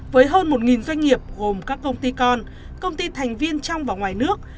với hơn một doanh nghiệp gồm các công ty con công ty thành viên trong và ngoài nước